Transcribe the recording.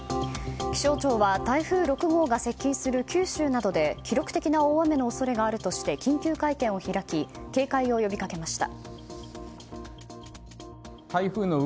気象庁は台風６号が接近する九州などで記録的な大雨の恐れがあるとして緊急会見を開き警戒を呼びかけました。